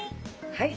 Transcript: はい。